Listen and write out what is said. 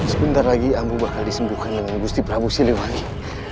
sebentar lagi abu bakal disembuhkan dengan gusti prabu siliwangi